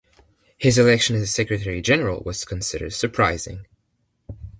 His election as Secretary-General was considered surprising.